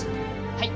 はい。